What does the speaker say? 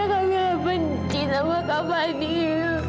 kamu gak benci sama kak fadil